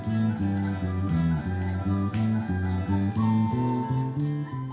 kita harus mencari jalanan yang lebih baik